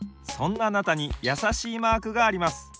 そんなあなたにやさしいマークがあります。